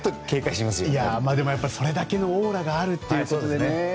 それだけのオーラがあるということでね。